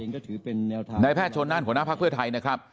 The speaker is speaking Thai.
แล้วแน่นอนนายแพทย์ชนนั่นหัวหน้าภาคเพื่อไทยนะครับ